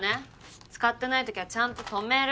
使ってないときはちゃんと止める。